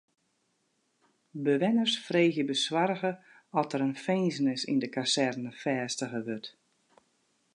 Bewenners freegje besoarge oft der in finzenis yn de kazerne fêstige wurdt.